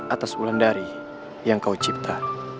atas ulang dari yang kau cipta